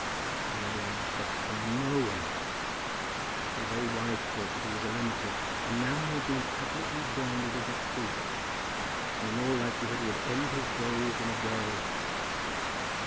No one respected him. No one! His very wife thought that he was a lunatic. And now he had been publicly branded as a thief; and in all likelihood would end his days in a gaol!